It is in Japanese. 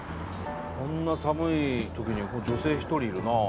こんな寒い時に女性１人いるなあ。